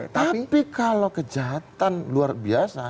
tapi kalau kejahatan luar biasa